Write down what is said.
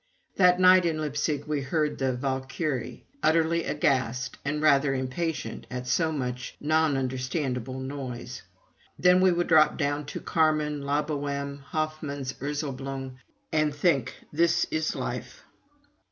That night in Leipzig we heard the "Walküre!" utterly aghast and rather impatient at so much non understandable noise. Then we would drop down to "Carmen," "La Bohême," Hoffman's "Erzäblung," and think, "This is life!"